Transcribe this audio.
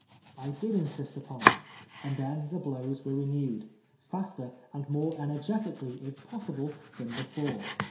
I did insist npon it, and then tlie blows were renewed, faster and more energetically, if possible, than before.